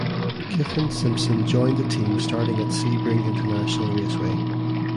Kyffin Simpson joined the team starting at Sebring International Raceway.